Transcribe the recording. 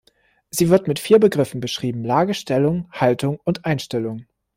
Sie wird mit vier Begriffen beschrieben: Lage, Stellung, Haltung und Einstellung.